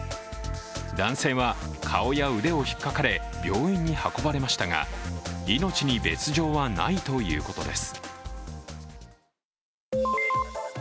男性は顔や腕を引っ掛かれ病院に運ばれましたが命に別状はないということです。